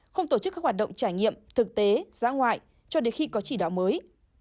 không tổ chức các hoạt động trải nghiệm thực tế giã ngoại cho đến khi có chỉ đạo mới